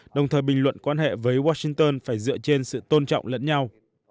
đồng thời bình luận quan hệ với washington phải dựa trên sự tôn trọng lẫn nhau